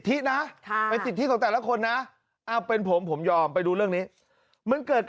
อันนี้เป็นสิทธินะเป็นสิทธิของแต่ละคนนะเป็นผมผมยอมไปดูเรื่องนี้